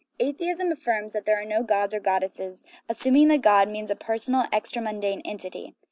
Atheism affirms that there are no gods or goddesses, 290 GOD AND THE WORLD assuming that god means a personal, extramundane entity.